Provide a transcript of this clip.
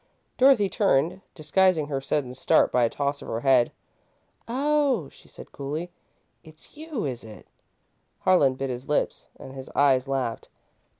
Dorothy turned, disguising her sudden start by a toss of her head. "Oh," she said, coolly, "it's you, is it?" Harlan bit his lips and his eyes laughed.